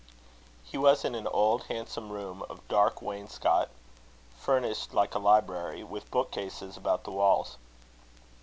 He was in an old handsome room of dark wainscot, furnished like a library, with book cases about the walls.